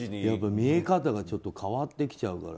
見え方が変わってきちゃうから。